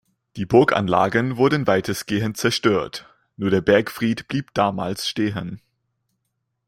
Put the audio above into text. Die Burganlagen wurden weitestgehend zerstört, nur der Bergfried blieb damals stehen.